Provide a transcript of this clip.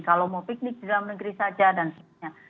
kalau mau piknik di dalam negeri saja dan sebagainya